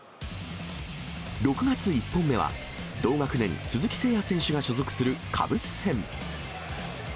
６月１本目は、同学年、鈴木誠也選手が所属するカブス戦。